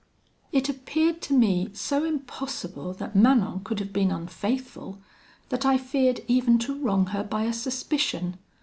"It appeared to me so impossible that Manon could have been unfaithful, that I feared even to wrong her by a suspicion.